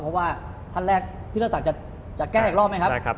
เพราะว่าท่านแรกพี่ธศักดิ์จะแก้อีกรอบไหมครับ